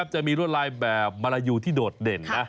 จะมีรวดลายแบบมาลายูที่โดดเด่นนะ